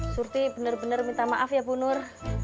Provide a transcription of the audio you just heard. surti bener bener minta maaf ya bu nur